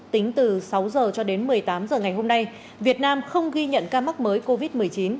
tính từ sáu h cho đến một mươi tám h ngày hôm nay việt nam không ghi nhận ca mắc mới covid một mươi chín